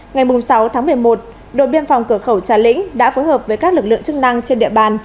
ngày sáu tháng một mươi một đội biên phòng cửa khẩu trà lĩnh đã phối hợp với các lực lượng chức năng trên địa bàn